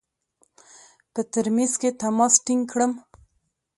په ترمیز کې تماس ټینګ کړم.